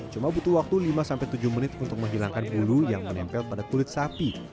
cuma butuh waktu lima sampai tujuh menit untuk menghilangkan bulu yang menempel pada kulit sapi